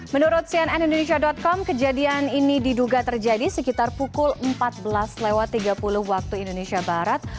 menurut cnn indonesia com kejadian ini diduga terjadi sekitar pukul empat belas tiga puluh waktu indonesia barat